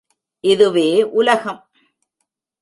இதுவே உலகம்!...